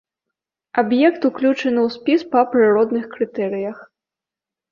Аб'ект уключаны ў спіс па прыродных крытэрыях.